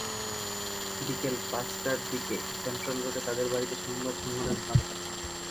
বিকেল পাঁচটার দিকে সেন্ট্রাল রোডে তাঁদের বাড়িতে সংবদ সম্মেলন হওয়ার কথা।